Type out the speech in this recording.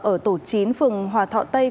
ở tổ chín phường hòa thọ tây